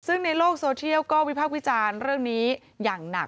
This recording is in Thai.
ซึ่งในโลกโซเทียลก็วิพากษ์วิจารณ์เรื่องนี้อย่างหนัก